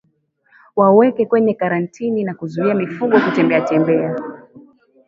Waweke kwenye karantini na kuzuia mifugo kutembeatembea